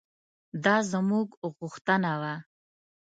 دا زموږ غوښتنه وه.